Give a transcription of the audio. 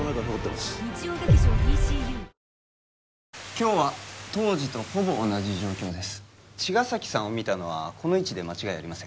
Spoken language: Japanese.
今日は当時とほぼ同じ状況です茅ヶ崎さんを見たのはこの位置で間違いありませんか？